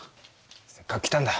せっかく来たんだ。